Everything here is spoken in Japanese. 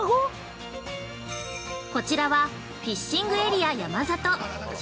◆こちらは「フィッシングエリアやま里」。